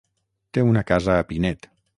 Té una casa a Pinet.